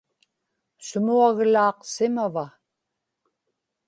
sumuaglaaqsimava